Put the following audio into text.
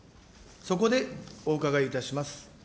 そこでお伺いいたします。